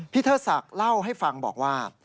เทิดศักดิ์เล่าให้ฟังบอกว่า